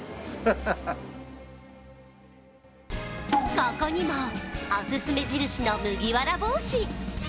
ここにも、おすすめ印の麦わら帽子。